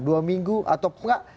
dua minggu atau nggak